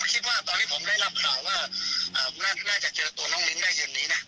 ผมคิดว่าตอนนี้ผมได้รับข่าวว่าอ่าน่าน่าจะเจอตัวน้องมิ้นได้อย่างนี้น่ะ